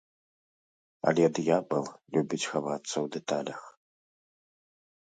Але д'ябал любіць хавацца ў дэталях.